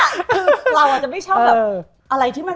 คือเราอาจจะไม่ชอบแบบอะไรที่มัน